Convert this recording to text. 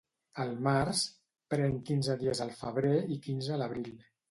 El març pren quinze dies al febrer i quinze a l'abril.